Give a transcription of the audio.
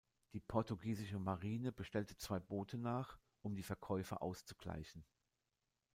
Die Portugiesische Marine bestellte zwei Boote nach, um die Verkäufe auszugleichen.